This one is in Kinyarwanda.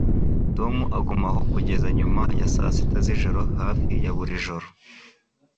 Tom agumaho kugeza nyuma ya saa sita z'ijoro hafi ya buri joro